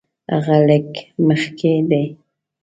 هغه لږ مخکې دی.